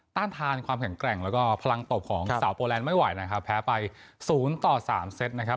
ต้านทานความแข็งแกร่งแล้วก็พลังตบของสาวโปแลนด์ไม่ไหวนะครับแพ้ไป๐ต่อ๓เซตนะครับ